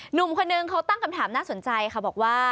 หนุ่มคนนึงเขาตั้งคำถามน่าสนใจค่ะบอกว่า